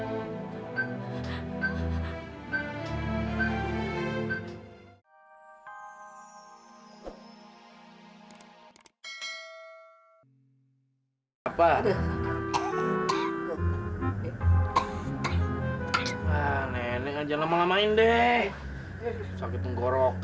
aduh ini mah sengaja melamain lamain sih